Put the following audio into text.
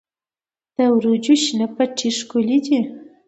د وریجو شنه پټي ښکلي دي.